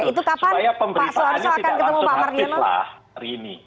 supaya pemberitaannya tidak langsung aktif lah hari ini